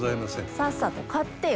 さっさと買ってよ。